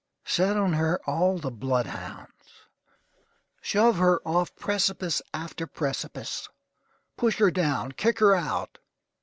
Set on her all the blood hounds. Shove her off precipice after precipice. Push her down. Kick her out!